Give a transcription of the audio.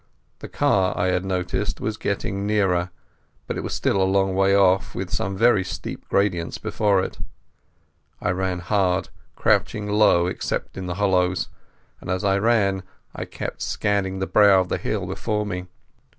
The car I had noticed was getting nearer, but it was still a long way off with some very steep gradients before it. I ran hard, crouching low except in the hollows, and as I ran I kept scanning the brow of the hill before me.